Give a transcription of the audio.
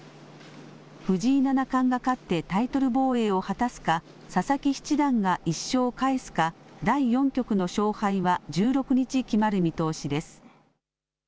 藤井七冠が勝ってタイトル防衛を果たすか、佐々木七段が１勝を返すか、第４局の勝敗は１６日決まる見通しです。